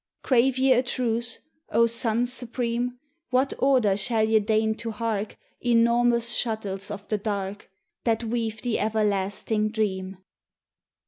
Crave ye a truce, O suns supreme? What order shall ye deign to hark, Enormous shuttles of the dark! That weave the Everlasting Dream?